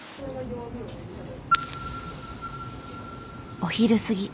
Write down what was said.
お昼過ぎ。